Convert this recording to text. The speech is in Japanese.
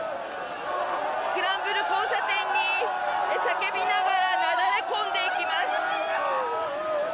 スクランブル交差点に叫びながらなだれ込んでいきます。